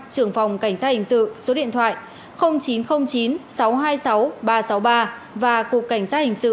trưởng phòng cảnh sát hình sự số điện thoại chín trăm linh chín sáu trăm hai mươi sáu ba trăm sáu mươi ba và cục cảnh sát hình sự